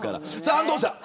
安藤さん